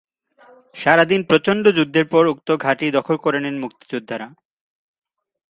সারা দিন প্রচণ্ড যুদ্ধের পর উক্ত ঘাঁটি দখল করে নেন মুক্তিযোদ্ধারা।